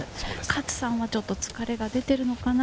勝さんはちょっと疲れが出ているのかな？